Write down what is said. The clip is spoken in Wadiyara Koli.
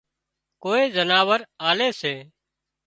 ڪوئي زناور آلي سي